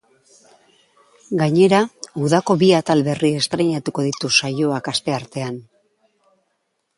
Gainera, udako bi atal berri estreinatuko ditu saioak asteartean.